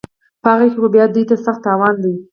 په هغه کې خو بیا دوی ته سخت تاوان دی